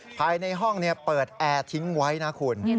ภายในห้องเปิดแอร์ทิ้งไว้นะคุณ